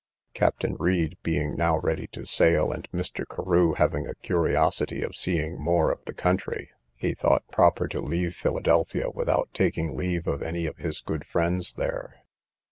Captain Read being now ready to sail, and Mr. Carew having a curiosity of seeing more of the country, he thought proper to leave Philadelphia without taking leave of any of his good friends there.